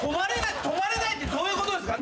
止まれないってどういうことですか？